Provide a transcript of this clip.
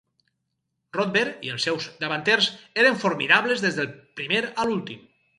Rodber i els seus davanters eren formidables des del primer a l'últim.